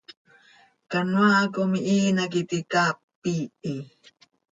Canoaa com ihiin hac iti caap iihi.